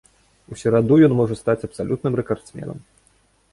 У сераду ён можа стаць абсалютным рэкардсменам.